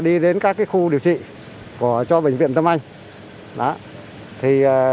đi đến các khu điều trị cho bệnh viện tâm anh